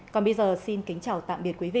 còn bây giờ xin kính chào tạm biệt quý vị